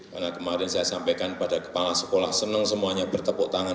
karena kemarin saya sampaikan pada kepala sekolah senang semuanya bertepuk tangan